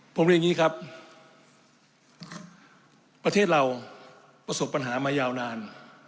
ผมเรียนอย่างนี้ครับประเทศเราประสบปัญหามายาวนาน